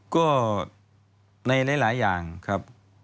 ก็ในหลายอย่างครับ